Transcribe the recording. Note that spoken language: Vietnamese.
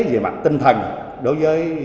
về mặt tinh thần đối với